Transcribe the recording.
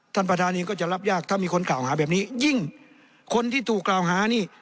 ท่านประธานเองก็จะรับยากถ้ามีคนกล่าวหาแบบนี้ยิ่งคนที่ถูกกล่าวหานี่